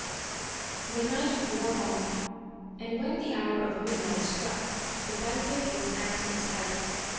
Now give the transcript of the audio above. The night wore on and when the hour of midnight struck the banquet was at its height.